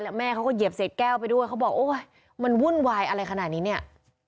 แม่เขาก็เหยียบเศษแก้วไปด้วยเขาบอกโอ๊ยมันวุ่นวายอะไรขนาดนี้เนี่ย